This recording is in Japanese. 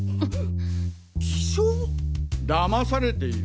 偽証？だまされている？